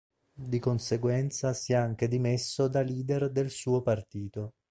Di conseguenza si è anche dimesso da Leader del suo partito.